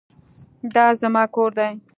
دا زما کور دی.